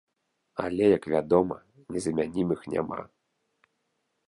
Але, як вядома, незамянімых няма!